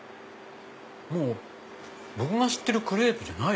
僕が知ってるクレープじゃない。